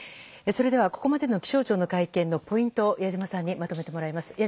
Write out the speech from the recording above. それでは、ここまでの気象庁の会見のポイントを矢島さんにまとめてもらいます。